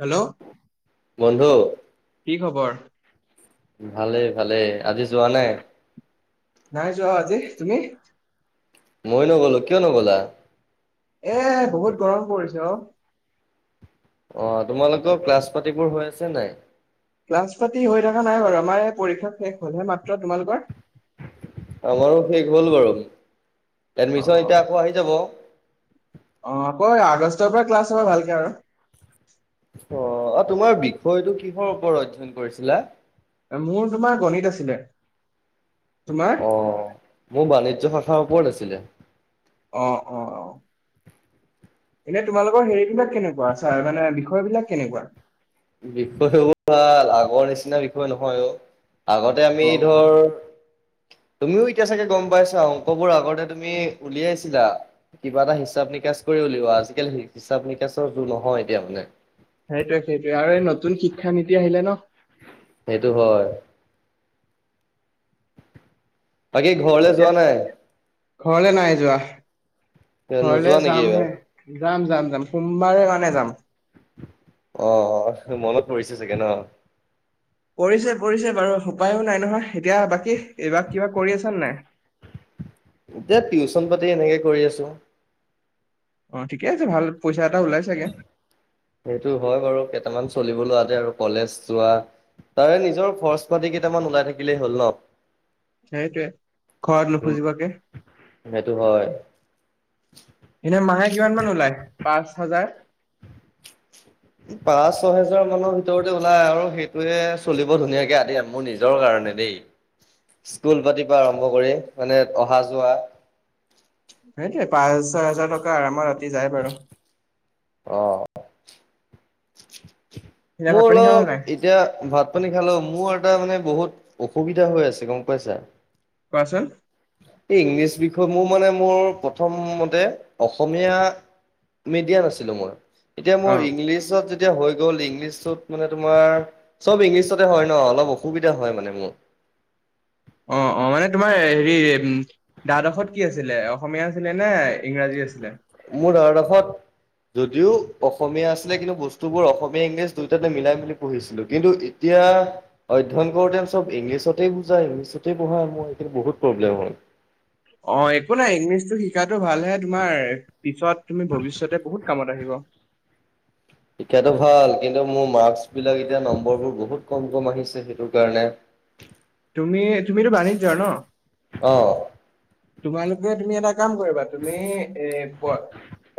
Hello! বন্ধু কি খবৰ? ভালেই, ভালেই, আজি যোৱা নাই? নাই যোৱা আজি, তুমি? মইও নগ'লো, কিয় নগ'লা? এ বহুত গৰম পৰিছে অ'। অ', তোমালোকৰ ক্লাছ পাতিবোৰ হৈ আছে নাই? ক্লাছ পাতি হৈ থকা নাই বাৰু, আমাৰ এই পৰীক্ষা শেষ হলহে মাত্ৰ। তোমালোকৰ? আমাৰো শেষ হ'ল বাৰু, অ এডমিশন অ এতিয়া আকৌ আহি যাব। অ', আকৌ আগষ্টৰ পৰা ক্লাছ হ'ব ভালকে আৰু। অ', অ', তোমাৰ বিষয়টো কিহৰ ওপৰত অধ্যয়ন কৰিছিলা? মোৰ তোমাৰ গণিত আছিলে। তোমাৰ অ', মোৰ বাণিজ্যৰশাখাৰ ওপৰত আছিলে। অ', অ', অ'। এনে তোমালোকৰ হেৰি বিলাক কেনেকুৱা, ছাৰ মানে বিষয় বিলাক কেনেকুৱা? বিষয়বোৰ ভাল, আগৰ নিচিনা বিষয় নহয় অ' আগত তে অ আমি অ ধৰ তুমিও এতিয়া চাগে গম পাইছা, অংকবোৰ আগতে তুমি উলিয়াইছিলা। কিবা এটা হিচাপ নিকাচ কৰি উলিওৱা, আজিকালি হিচাপ নিকাচৰ [unintelligible] নহয় এতিয়া মানে। সেইটোয়ে, সেইটোয়ে আৰু এই নতুন শিক্ষা নীতি আহিলে ন'। সেইটো হয়। বাকী ঘৰলে এতিয়া যোৱা নাই? ঘৰলে নাই যোৱা, ঘৰলে নোযোৱা নেকি এইবাৰ যামহে। যাম, যাম, যাম, সোমবাৰে মানে যাম। অ', অ', মনত পৰিছে চাগে ন'হ? পৰিছে পৰিছে বাৰু উপায়ো নাই নহয়, এতিয়া বাকী এইবাৰ কিবা কৰি আছ নে নাই? এতিয়া টিউচন পাতি এনেকে কৰি আছোঁ। অ', ঠিকে আছে, ভাল পইচা এটা ওলাই চাগে? সেইটো হয় বাৰু, কেইটামান চলিব লোৱাতে আৰু কলেজ যোৱা। তাৰে নিজৰ খৰচ পাতি কেইটামান ওলাই থাকিলেই হ'ল নহ। সেইটোয়ে, ঘৰত নুখোজিব কে। সেইটো হয়। এনে মাহে কিমান মান ওলায়, পাঁচ হাজাৰ? পাঁচ, ছহেজাৰ মানৰ ভিতৰতে ওলাই আৰু সেইটোয়ে চলিব ধুনীয়াকে আদিয় মোৰ নিজৰ কাৰণে দেই। স্কুল পাতিপা আৰম্ভ কৰি মানে অহা যোৱা। সেইটোৱে পাঁচ, ছয় হাজাৰ টকা আৰামত আতি যায় বাৰু। অঁ, এতিয়া ভাত মোৰ পানী খালা নে নাই? অলপ- এতিয়া ভাত পানী খালো। মোৰ এটা মানে বহুত অসুবিধা হৈ আছে, গম পাইছা। কোৱাচোন? এই ইংলিছ বিষয়ক, মোৰ মানে মোৰ প্ৰথমতে অসমীয়া- মিডিয়াম আছিলোঁ মই। এতিয়া মোৰ অ', ইংলিছত- এতিয়া হৈ গ'ল ইংলিছত মানে তোমাৰ চব ইংলিছতে হয় ন অলপ অসুবিধা হয় মানে মোৰ। অঁ, অঁ। এ তোমাৰ হেৰি- দ্বাদশত কি আছিলে অসমীয়া আছিলে নে ইংৰাজী আছিলে? মোৰ দ্বাদশত- যদিও অসমীয়া আছিলে কিন্তু বস্তুবোৰ অসমীয়া, ইংলিছ দুইটাতে মিলাই মেলি পঢ়িছিলোঁ। কিন্তু- এতিয়া- অধ্যয়ন কৰোঁতে চব ইংলিছতেই বুজায়, ইংলিছতেই পঢ়ায়। মোৰ এইখিনি বহুত প্ৰব্লেম হ'ল। অঁ, একো নাই ইংলিছতটো শিকাটো ভালহে, তোমাৰ পিছত তুমি ভৱিষ্যতে বহুত কামত আহিব। শিক্ষাটো ভাল কিন্তু মোৰ মাৰ্কচ বিলাক এতিয়া নম্বৰবোৰ বহুত কম কম আহিছে সেইটো কাৰণে। [inaudible] তুমি তুমিতো বাণিজ্যৰ ন? অ তোমালোকে, তুমি এটা- কাম কৰিবা, তুমি প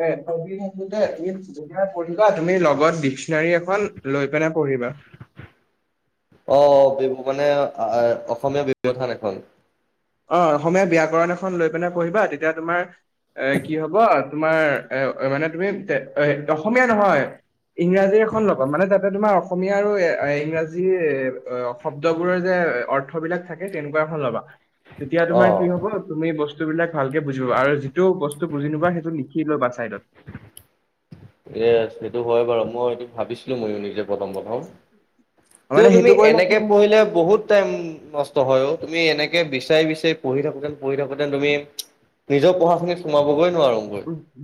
এ- তুমি লগত ডিসনেৰী এখন লৈ পিনে পঢ়িবা। অঁ, বি মানে আহ অসমীয়া ব্যৱধান এখন অঁ, অসমীয়া ব্যাকৰণ এখন লৈ পিনে পঢ়িবা, তেতিয়া তোমাৰ এ কি হব- তোমাৰ এ মানে তুমি অসমীয়া নহয়- ইংৰাজী এখন লবা মানে তাতে তোমাৰ এখন অসমীয়া আৰু এ ইংৰাজী- শব্দবোৰৰ যে অৰ্থবিলাক থাকে তেনেকুৱা এখন ল'বা। তেতিয়া অ তোমাৰ কি হ'ব? তুমি বস্তু- বস্তুবিলাক ভালকে বুজি ল'বা আৰু যিটো বস্তু বুজি নোপোৱা সেইটো লিখি লবা চাইডত। এ সেইটো হয় বাৰু। মই এইটো ভাবিছিলো মইয়ো নিজে প্ৰথম প্ৰথম। উম। কিন্তু তুমি এনেকে পঢ়িলে বহুত টাইম- নষ্ট হয় অঁ। তুমি এনেকে বিচাৰি বিচাৰি পঢ়ি থাকোতে, পঢ়ি থাকোঁতে তুমি- নিজৰ পঢ়াখিনিত সোমাব গৈ নোৱাৰোগৈ।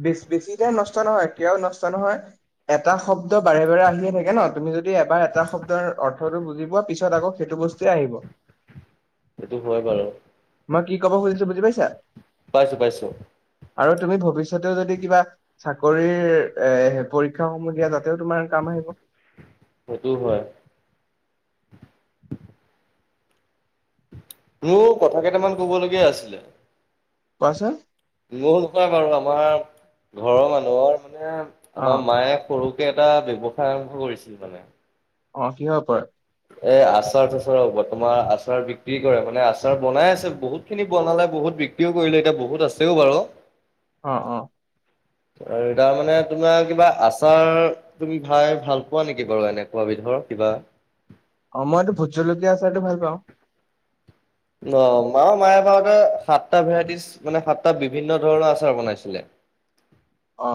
বেছি বেছি তেই নষ্ট নহয়, কিয় নষ্ট নহয়? এটা শব্দ বাৰে বাৰে আহিয়ে থাকে ন। তুমি যদি- যদি এবাৰ এটা শব্দৰ অৰ্থতটো বুজিব পিছত আকৌ সেইটো বস্তুটোয়ে আহিব। সেইটো হয় বাৰু। মই কি কব খুজিছো বুজি পাইছা? পাইছো, পাইছো। আৰু তুমি ভৱিষ্যতেও যদি কিবা- চাকৰিৰ এ পৰীক্ষা সমূহ দিয়া তাতেও তোমাৰ কাম আহিব। সেইটো হয়। মোৰ কথা কেইটামান কব লগীয়া আছিলে। কোৱাচোন মোৰ ন কোৱা বাৰু আমাৰ ঘৰৰ মানুহৰ মানে অ আমাৰ মায়ে সৰু কে এটা ব্যৱসায় আৰম্ভ কৰিছিল মানে অ কিহৰ ওপৰত এ আচাৰ তাচাৰ ওপৰত তোমাৰ আচাৰ বিক্ৰী কৰে মানে আচাৰ বনাই আছে বহুত বহুত খিনি বনালে বহুত বিক্ৰীও কৰিলো এতিয়া বহুত আছেও বাৰু অ অ আৰু তাৰ মানে তোমাৰ কিবা আচাৰ তুমি ভাই ভাল পোৱা নিকি বাৰু এনেকুৱা বিধৰ কিবা অ মই এইটো ভোট জলকীয়া আচাৰটো ভাল পাওঁ অ মা মায়ে বাৰুতে সাতটা ভেৰাইটিজ মানে সাতটা বিভিন্ন ধৰণৰ আচাৰ বনাইছিলে অ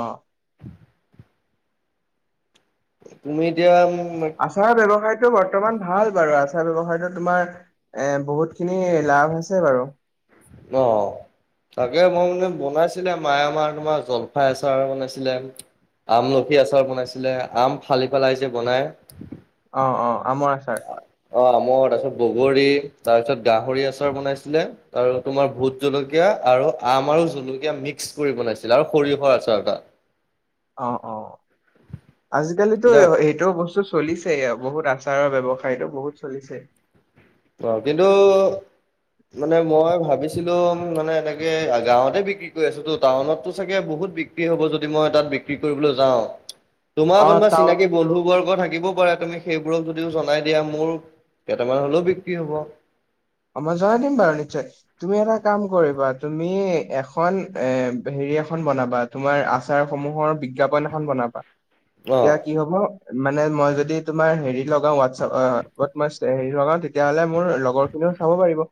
তুমি এতিয়া মো আচাৰ ব্যৱসায়টো বৰ্তমান ভাল বাৰু আচাৰ ব্যৱসায়টো তোমাৰ এ বহুত খিনি লাভ হৈছে বাৰু অ তাকে মই মানে বনাইছিলে মায়ে আমাৰ তোমাৰ জলফাই আচাৰ বনাইছিলে আমলখি আচাৰ বনাইছিলে আম ফালি পেলাই যে বনায় অ অ আমৰ আচাৰ অ আমৰ তাৰপিছত বগৰী তাৰপিছত গাহৰিৰ আচাৰ বনাইছিলে আৰু তোমাৰ ভোট জলকীয়া আৰু আম আৰু জলকীয়া মিক্স কৰি বনাইছিলে আৰু সৰিয়হৰ আচাৰ এটা [inaudible] অ অ আজিকালিতো এতিয়া এইট এইটো বস্তু চলিছে বহুত আচাৰৰ ব্যৱসায়টো বহুত চলিছে অ কিন্তু মানে মই ভাবিছিলো মানে এনেকে গাঁৱতে বিক্ৰী কৰি আছো তো টাউনতটো চাগে বহুত বিক্ কী হব যদি মই তাত বিক্ৰী কৰিবলৈ যাও তোমাৰ অ কোনোবা তাও চিনাকি বন্ধু বৰ্গ থাকিবও পাৰে তুমি সেইবোৰক যদিও জনাই দিয়া মোৰ কেইটামান হ'লেও বিক্ৰী হ'ব অ' মই জনাই দিম বাৰু নিশ্চয় তুমি এটা কাম কৰিবা, তুমি এখন এ হেৰি এখন বনা তোমাৰ আচাৰসমূহৰ বিজ্ঞাপন এখন বনবা অ এতিয়া কি হ'ব মানে মই যদি তোমাৰ হেৰি লগাওঁ ৱাটচপ মই হেৰি লগাওঁ তেতিয়া হ'লে মোৰ লগৰ এনেও চাব পাৰিব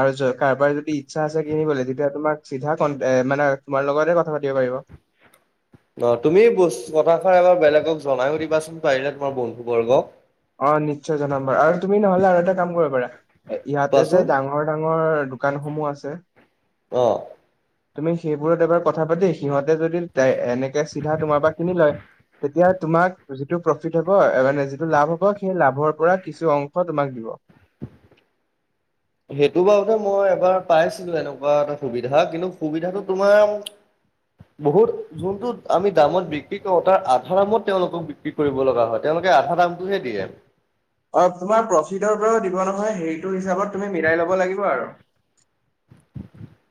আৰু য কাৰোবাৰ যদি ইচ্ছা আছে কিনিবলে তেতিয়া তোমাক চিধা কন এ মানে তোমাৰ লগতে কথা পাতিব পাৰিব অঁ, তুমি বস কথাষাৰ এবাৰ বেলেগক জনাইয়ো দিবাচোন পাৰিলে তোমাৰ বন্ধু বৰ্গক অঁ, নিশ্চয় জনাম বাৰু আৰু তুমি নহ'লে আৰু এটা কাম কৰিব পাৰা এ ইয়াতে কোৱাচোন যে ডাঙৰ ডাঙৰ, দোকানসমূহ আছে অঁ তুমি সেইবোৰত এবাৰ কথা পাতি সিহঁতে যদি ডাই এনেকে চিধা তোমাৰ পৰা কিনি লয় তেতিয়া তোমাক যিটো প্ৰ'ফিট হ'ব মানে যিটো লাভ হ ব, সেই লাভৰ পৰা কিছু অংশ তোমাক দিব সেইটো বাৰুতে মই এবাৰ পাইছিলোঁ এনেকুৱা এটা সুবিধা, কিন্তু সুবিধাটো তোমাৰ বহুত যোনটোত আমি দামত বিক্ৰী কৰোঁ তাৰ আধা দামত তেওঁলোকক বি ক্ৰী, কৰিব লগা হয় তেওঁলোকে আধা দামটোহে দিয়ে অ', তোমাক প্ৰফিডৰ পৰাও দিব নহয় সেইটো হিচাপত তুমি মিলাই লব লাগিব আৰু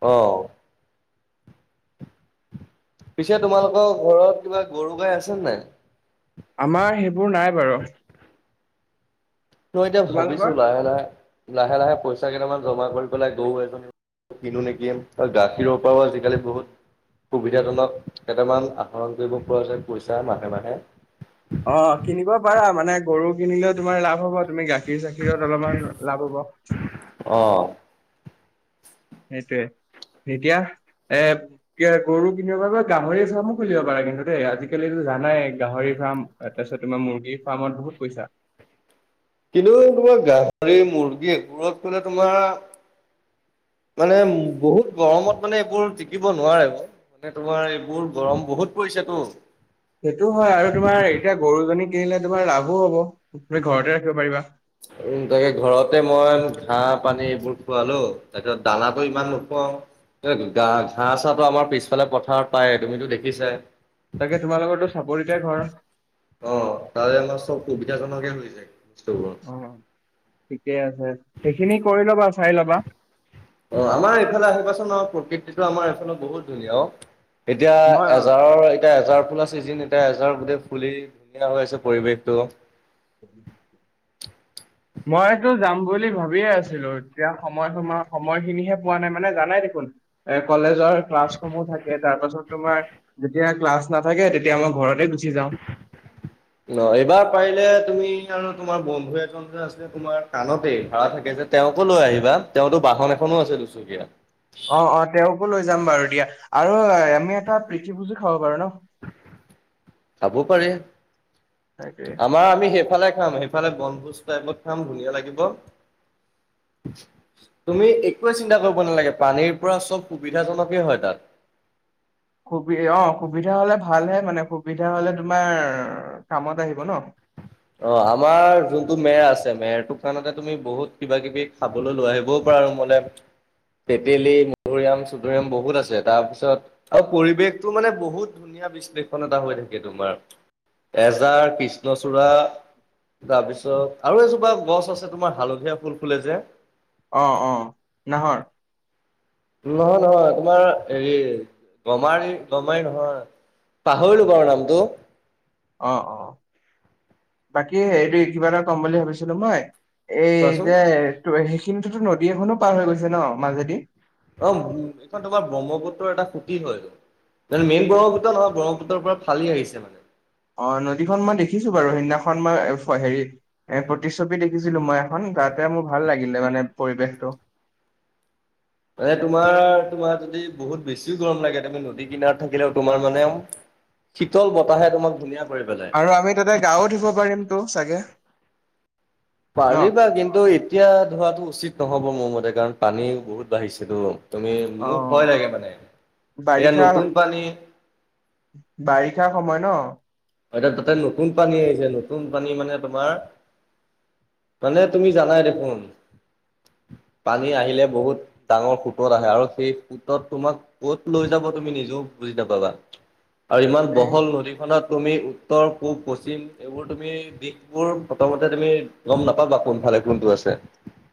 অঁ! পিছে তোমালোকৰ ঘৰত কিবা গৰু গাই আছে নে নাই? আমাৰ সেইবোৰ নাই বাৰু। ত এতিয়া তোমালোকৰ ভাবিছোঁ লাহে-লাহে-লাহে-লাহে পইচা কেইটামান জমা কৰি পেলাই গৰু এজনী কিনো নেকি? অ গাখীৰৰ পৰাও আজিকালি বহুত সুবিধাজনক কেইটামান আহৰণ কৰিব পৰা যায় পইচা মাহে-মাহে। অঁ! কিনিব পাৰা, মানে গৰু কিনিলেও তোমাৰ লাভ হ'ব, তুমি গাখীৰ-চাখীৰত অলপমান লাভ হ'ব। অঁ! সেইটোৱে। এতিয়া এ এতিয়া গৰু কিনিব পাৰিবা, গাহৰি ফাৰ্মো খুলিব পাৰা কিন্তু দেই আজিকালিতো জানাই গাহৰি ফাৰ্ম তাৰপিছত তোমাৰ মুৰ্গীৰ ফাৰ্মত বহুত পইচা। কিন্তু তোমাৰ গাহৰি, মুৰ্গী এইবোৰত মানে তোমাৰ মানে বহুত গৰমত মানে এইবোৰ টিকিব নোৱাৰে। মানে তোমাৰ এইবোৰ গৰম বহুত পৰিছেতো। সেইটো হয় আৰু তোমাৰ এতিয়া গৰুজনী কিনিলে তোমাৰ লাভো হ'ব, তুমি ঘৰতে ৰাখিব পাৰিবা। উম! তাকে ঘৰতে মই ঘাঁহ পানী এইবোৰ খুৱালোঁ, তাৰপিছত দানাটো ইমান নুখুৱাওঁ। এই ঘাঁহ চাহটো আমাৰ পিছফালে পথাৰত পায়ে তুমিতো দেখিছাই। তাকে তোমালোকৰতো চাপৰিতে ঘৰ? অঁ! তাৰে আমাৰ চব সুবিধাজনকে হৈ যায় বস্তুবোৰ। অঁ! ঠিকে আছে। সেইখিনি কৰি ল'বা, চাই ল'বা। অঁ! আমাৰ এইফালে আহিবা চোন আমাৰ প্ৰকৃতিটো আমাৰ এইফালৰ বহুত ধুনীয়া অ। এতিয়া মই এজাৰৰ এতিয়া এজাৰ ফুলা ছিজিন এতিয়া এজাৰ গোটেই ফুলি ধুনীয়া হৈ আছে পৰিৱেশটো। [inaudible] মইতো যাম বুলি ভাবিয়ে আছিলোঁ এতিয়া সময় তোমাৰ সময়খিনিহে পোৱা নাই, মানে জানাই দেখোন এ কলেজৰ ক্লাছসমূহ থাকে তাৰ পাছত তোমাৰ যেতিয়া ক্লাছ নাথাকে তেতিয়া মই ঘৰতেই গুচি যাওঁ। অঁ! এইবাৰ পাৰিলে তুমি আৰু তোমাৰ বন্ধু এজন [inaudible] আছে তোমাৰ কানতেই ভাড়া থাকে যে তেওঁকো লৈ আহিবা, তেওঁতো বাহন এখনো আছে দুচুকীয়া। অঁ-অঁ! তেওঁকো লৈ যাম বাৰু দিয়া, আৰু আমি এটা প্ৰীতি ভুজো খাব পাৰো ন। খাব পাৰে। তাকে আমাৰ আমি সেইফালে খাম। সেই ফালে বনভোজ টাইপত খাম, ধুনীয়া লাগিব। তুমি একোৱেই চিন্তা কৰিব নালাগে পানীৰ পৰা চব সুবিধাজনকেই হয় তাত। সুবি অ‍ঁ সুবিধা হ'লে ভালহে মানে সুবিধা হ'লে তোমাৰ কামত আহিব ন। অঁ! আমাৰ যোনটো মেৰ আছে মেৰটো কাৰণতে তুমি বহুত কিবাকিবি খাবলৈ লৈ আহিব‌ও পাৰা ৰুমলে। তেতেলী, মধুৰিআম-চুধুৰিয়াম বহুত আছে তাৰপিছত আৰু পৰিৱেশটো মানে বহুত ধুনীয়া বিশ্লেষণ এটা হৈ থাকে তোমাৰ। এজাৰ, কৃষ্ণচূড়া তাৰপিছত আৰু এজোপা গছ আছে তোমাৰ হালধীয়া ফুল ফুলে যে। অঁ-অঁ! নাহৰ। নহয়-নহয়, তোমাৰ হেৰি গমাৰি-গমাৰি নহয়। পাহৰিলো বাৰু নামটো। অঁ-অঁ! বাকী হেৰি কিবা এটা কম বুলি ভাবিছিলোঁ মই? এই কোৱাচোন যে ত সেইখিনিতোতো নদী এখনো পাৰ হৈ গৈছে ন মাজেদি? অ' সেইখন তোমাৰ ব্ৰহ্মপুত্ৰৰ এটা খুতি হয়। মানে মেইন ব্ৰহ্মপুত্ৰ নহয় ব্ৰহ্মপুত্ৰৰ পৰা ফালি আহিছে মানে। অ' নদীখন মই দেখিছো বাৰু! সেইদিনাখন মই হেৰিত এ প্ৰতিচ্ছবি দেখিছিলো মই এখন তাতে মোৰ ভাল লাগিলে মানে পৰিৱেশটো। এ তোমাৰ তোমাৰ যদি বহুত বেছিও গৰম লাগে। তুমি নদী কিনাৰত থাকিলেও তোমাৰ মানে শীতল বতাহে তোমাক ধুনীয়া কৰি পেলাই। আৰু আমি তাতে [unintelligible] ধুব পাৰিমতো চাগে? ন পাৰিবা, কিন্তু এতিয়া ধুৱাটো উচিত নহ'ব মোৰ মতে কাৰণ পানী বহুত বাঢ়িছেতো। তুমি মোৰ ভয় অ লাগে মানে। এতিয়া বাৰিষা নতুন পানী বাৰিষা সময় ন? এতিয়া তাতে নতুন পানী আহিছে, নতুন পানী মানে তোমাৰ মানে তুমি জানাই দেখোন, পানী আহিলে বহুত ডাঙৰ সোঁতত আহে আৰু সেই সোঁতত তোমাক ক'ত লৈ যাব তুমি নিজেও বুজি নাপাবা। আৰু ইমান এ বহল নদীখনত তুমি উত্তৰ, পূব, পশ্চিম, এইবোৰ তুমি দিশবোৰ প্ৰথমতে তুমি গম নাপাবা কোনফালে কোনটো আছে।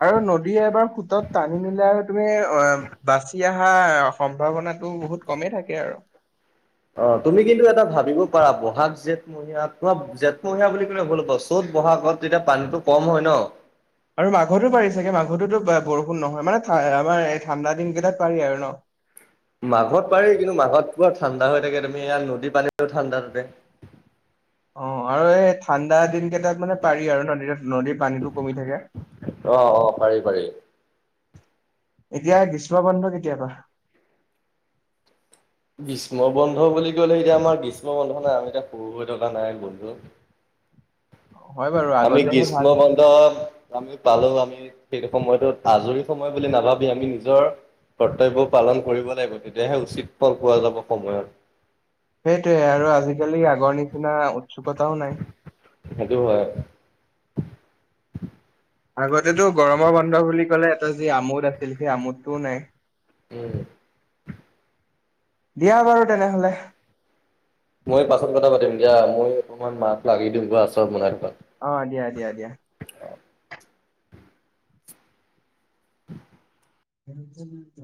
আৰু নদীয়ে এবাৰ সোঁতত টানি নিলে আৰু তুমি অ' বাচি আহা সম্ভাৱনাটো বহুত কমেই থাকে আৰু। অ' তুমি কিন্তু এটা ভাবিব পাৰা ব'হাগ-জেঠ তোমাৰ জেঠমহীয়া বুলি ক'লে ভুল হ'ব, চ'ত-বহাগত তেতিয়া পানীটো কম হয় ন। আৰু মাঘতো পাৰি চাগে, মাঘটোতো বৰষুণ নহয় মানে আমাৰ এই ঠাণ্ডা দিন কেইটাত পাৰি আৰু ন। মাঘত পাৰি, কিন্তু মাঘত পুৰা ঠাণ্ডা হৈ থাকে তুমি ইয়াত নদী পানীও ঠাণ্ডা থাকে। অ' আৰু এই ঠাণ্ডা দিন কেইটাত মানে পাৰি আৰু ন-নদীত পানীটো কমি থাকে। অ', অ' পাৰি পাৰি। এতিয়া গ্ৰীষ্ম বন্ধ কেতিয়াপা? গ্ৰীষ্ম বন্ধ বুলি কলে এতিয়া আমাৰ গ্ৰীষ্ম বন্ধ নাই। আমি এতিয়া সৰু হৈ থকা নাই বন্ধু! হয় বাৰু আমি আগতেহে ভাল গ্ৰীষ্ম আছিল। বন্ধত আমি পালো, আমি সেই সময়টোত আজৰি সময় বুলি নাভাবি আমি নিজৰ কৰ্তব্য পালন কৰিব লাগিব, তেতিয়াহে উচিত ফল পোৱা যাব সময়ত। সেইটোয়ে আৰু আজিকালি আগৰ নিচিনা উৎসুকতাও নাই। সেইটো হয়। আগতেটো গৰমৰ বন্ধ বুলি ক'লে এটা যি আমোদ আছিল সেই আমোদটোও নাই। উম। দিয়া বাৰু তেনে'হলে। মই পাছত কথা পাতিম দিয়া, মই অকমান মাক লাগি দিওগৈ আচাৰ বনাই থকা। অ' দিয়া দিয়া দিয়া। [inaudible] [unintelligible]